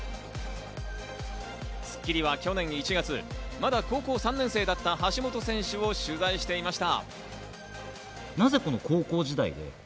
『スッキリ』は去年１月、まだ高校３年生だった橋本選手を取材していました。